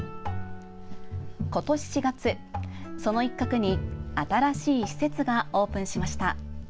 今年４月、その一角に新しい施設がオープンしました。